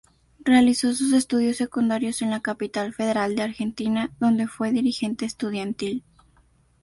Realizó sus estudios secundarios en la capital federal de Argentina, donde fue dirigente estudiantil.